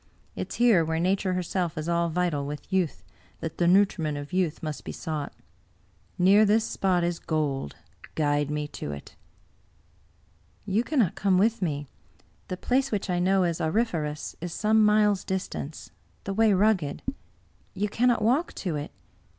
It is here, where Nature herself is all vital with youth, that the nutriment of youth must be sought. Near this spot is gold ; guide me to it." " You cannot come with me. The place which I know 72 Butwer Lytton as auriferous is some miles distant, the way rugged. You cannot walk to it.